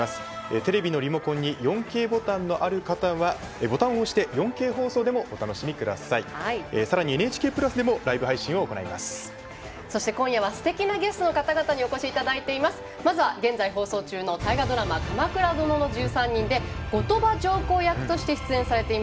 テレビのリモコンに４Ｋボタンのある方はボタンを押して４Ｋ放送でもお楽しみください。